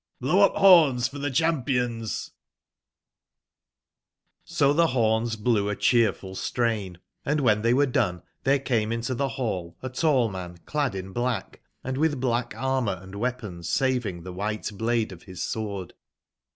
B low up borns for tbe cbampionst" O tbe boms blew a cbeerf ul strain, and wben tbey were done, tberc came into tbe ball a tall man clad in black, andwitb black armour and weapons savinof tbe wbite blade of bis sword.